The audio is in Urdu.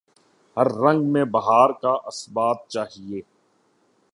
ہر رنگ میں بہار کا اثبات چاہیے